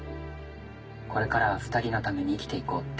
これからは２人のために生きていこうって。